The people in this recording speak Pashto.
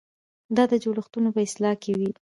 دا د جوړښتونو په اصلاح کې وي.